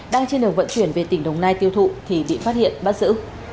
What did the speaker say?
đang trên đường vận chuyển về tỉnh đồng nai tiêu thụ thì bị phát hiện bắt giữ